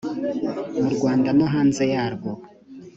mu rwanda no hanze yarwo